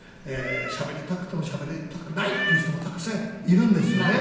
しゃべりたくてもしゃべりたくないっていう人もたくさんいるんですよね。